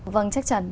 vâng chắc chắn